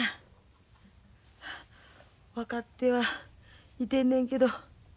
分かってはいてんねんけど。